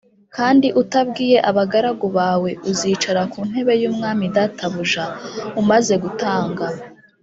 kandi utabwiye abagaragu bawe ūzicara ku ntebe y’umwami databuja, umaze gutanga?”